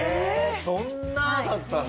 そんなだったんだ。